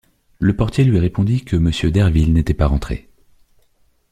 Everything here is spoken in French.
Le portier lui répondit que monsieur Derville n’était pas rentré.